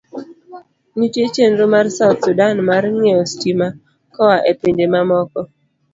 Nitie chenro mar South Sudan mar ng'iewo stima koa e pinje mamoko.